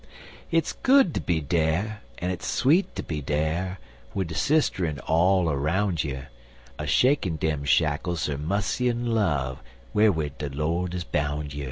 Hit's good ter be dere, en it's sweet ter be dere, Wid de sisterin' all aroun' you A shakin' dem shackles er mussy en' love Wharwid de Lord is boun' you.